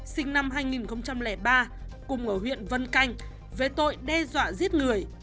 sinh năm hai nghìn ba cùng ở huyện vân canh về tội đe dọa giết người